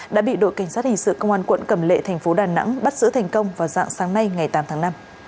đã bị đội cảnh sát hình sự công an quận cầm lệ thành phố đà nẵng bắt giữ thành công vào dạng sáng nay ngày tám tháng năm